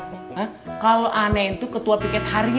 hah kalau aneh itu ketua piket harian